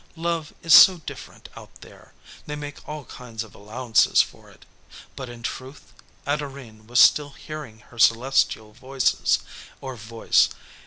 Love is so different out there, they make all kinds of allowances for it. But, in truth, Adorine was still hearing her celestial voices or voice.